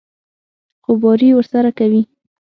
خوباري ورسره کوي.